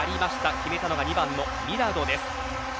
決めたのは２番のミラドです。